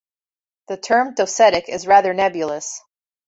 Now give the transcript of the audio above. The term 'docetic' is rather nebulous.